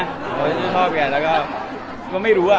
ผมชื่นชอบแกแล้วก็ไม่รู้อะ